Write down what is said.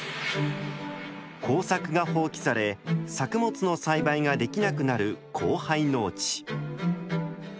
耕作が放棄され作物の栽培ができなくなる荒廃農地。